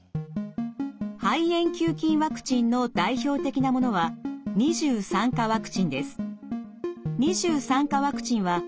肺炎球菌ワクチンの代表的なものは２３価ワクチンです。